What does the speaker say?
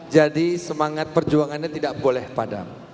jadi semangat perjuangannya tidak boleh padam